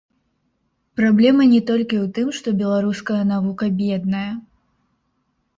Праблема не толькі ў тым, што беларуская навука бедная.